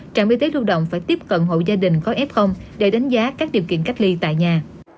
trạm y tế thu động phải tiếp cận hộ gia đình có f để đánh giá các điều kiện cách ly tại nhà